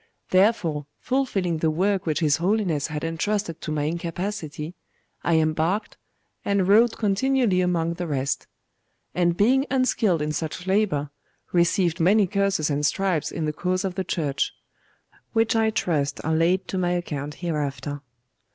Therefore, fulfilling the work which his Holiness had entrusted to my incapacity, I embarked, and rowed continually among the rest; and being unskilled in such labour, received many curses and stripes in the cause of the Church the which I trust are laid to my account hereafter.